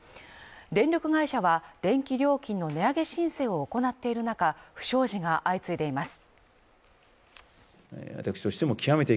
電力会社は電気料金の値上げ申請を行っている中、不祥事が相次いでいます。